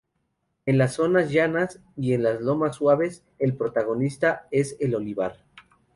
En las zonas llanas y en las lomas suaves, el protagonista es el olivar.